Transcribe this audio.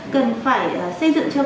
cần phải xây dựng cho con